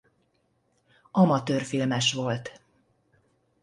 Amatőr filmes volt.